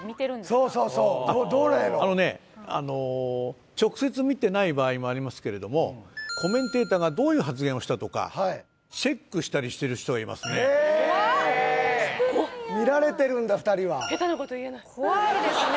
そうそうそうどうなんやろあのねあの直接見てない場合もありますけれどもコメンテーターがどういう発言をしたとかチェックしたりしてる人がいますね怖っしてるんや見られてるんだ２人は怖いですね